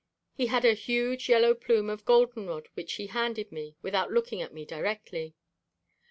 He had a huge yellow plume of goldenrod which he handed me without looking at me directly.